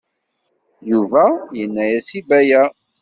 Yuba yenna-as i Baya.